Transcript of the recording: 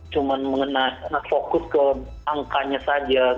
cuma fokus ke angkanya saja